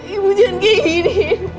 ibu jangan kayak gini